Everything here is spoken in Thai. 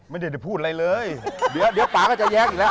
ไม่ได้พูดอะไรเลยเดี๋ยวเดี๋ยวป่าก็จะแย้งอีกแล้ว